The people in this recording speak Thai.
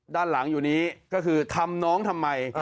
ด้านหลังอยู่นี้ก็คือทำน้องทำไม